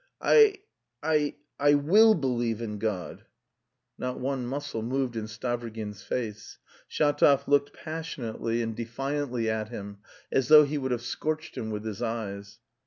"I... I will believe in God." Not one muscle moved in Stavrogin's face. Shatov looked passionately and defiantly at him, as though he would have scorched him with his eyes.